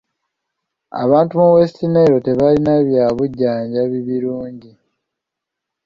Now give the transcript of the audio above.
Abantu mu West Nile tebalina bya bujjanjabi birungi.